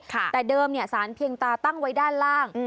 แต่เดิมสารเพียงตาตั้งไว้ด้านล่าง